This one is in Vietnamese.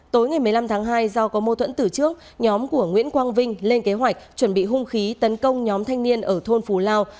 tối ngày một mươi năm tháng hai do có mô thuẫn tử trước nhóm của nguyễn quang vinh lên kế hoạch chuẩn bị hung khí tấn công nhóm thanh niên ở thôn phú lao